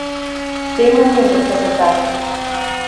Сеҥынеже кызытат.